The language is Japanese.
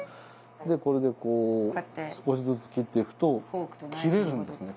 これでこう少しずつ切っていくと切れるんですね